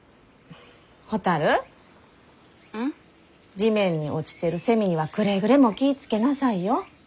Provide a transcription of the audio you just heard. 地面に落ちてるセミにはくれぐれも気ぃ付けなさいよ。